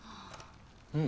うん。